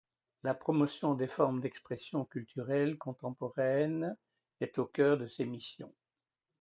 La promotion des formes d’expression culturelles contemporaines est au cœur de ses missions.